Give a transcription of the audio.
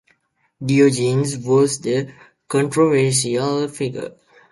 Diogenes was a controversial figure.